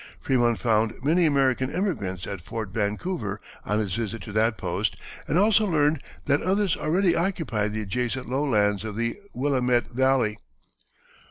Frémont found many American emigrants at Fort Vancouver on his visit to that post and also learned that others already occupied the adjacent lowlands of the Willamette Valley.